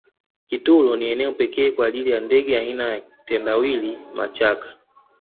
kitulo ni eneo pekee kwa ajili ya ndege aina ya tendawili machaka